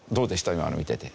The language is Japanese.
今のを見てて。